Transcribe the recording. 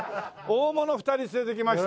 大物２人連れてきました。